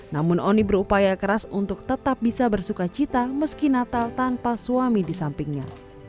namun oni berupaya keras untuk tetap bisa bersuka cita meski natal tanpa suami di sampingnya